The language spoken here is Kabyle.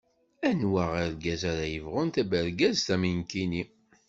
Anwa argaz ara yebɣun tabergazt am nekkini?